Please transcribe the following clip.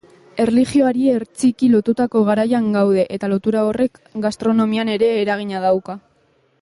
Erlijioari hertsiki lotutako garaian gaude, eta lotura horrek gastronomian ere eragina dauka.